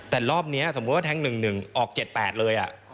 แต่รอบนี้สมมุติว่าแท้ง๑๑ออก๗๘เลย